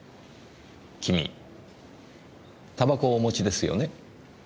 君煙草をお持ちですよね。